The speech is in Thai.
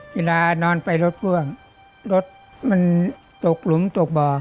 เวลานอนไปรถพ่วงรถมันตกหลุมตกบ่อ